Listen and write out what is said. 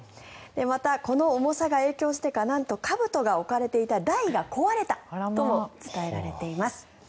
また、この重さが影響してかなんとかぶとが置かれていた台が壊れたとも伝えられています。